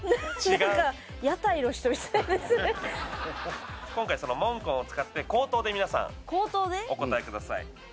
違う何か今回そのモンコンを使って口頭で皆さんお答えください